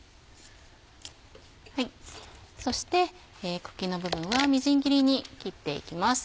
そして茎の部分はみじん切りに切っていきます。